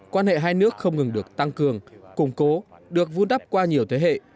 quan hệ hai nước không ngừng được tăng cường củng cố được vun đắp qua nhiều thế hệ